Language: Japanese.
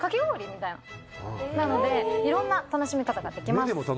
なのでいろんな楽しみ方ができます。